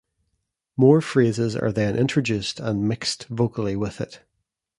More phrases are then introduced and "mixed" vocally with it.